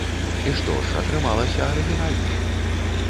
І што ж, атрымалася арыгінальна.